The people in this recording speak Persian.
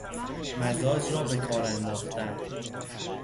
مزاج را بکار انداختن